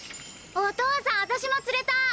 お父さん私も釣れた！